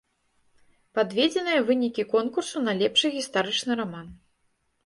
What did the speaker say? Падведзеныя вынікі конкурсу на лепшы гістарычны раман.